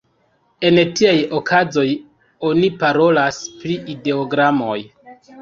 En tiaj okazoj oni parolas pri ideogramoj.